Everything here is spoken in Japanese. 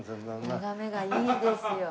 眺めがいいですよ。